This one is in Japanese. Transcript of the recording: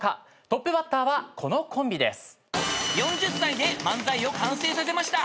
トップバッターはこのコンビです。